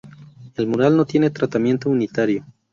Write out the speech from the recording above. El mural no tiene tratamiento unitario.